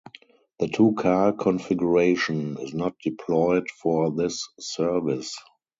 The two-car configuration is not deployed for this service.